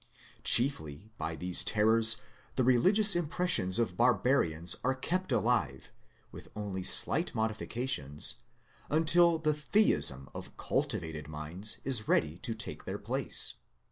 Chiefly by these terrors the religious impressions of barbarians are kept alive, with only slight modifications, until the Theism of cultivated minds is ready to take their place.